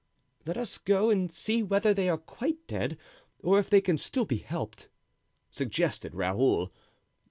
"Let us go and see whether they are quite dead, or if they can still be helped," suggested Raoul.